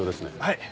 はい！